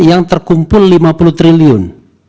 yang terkumpul lima puluh triliun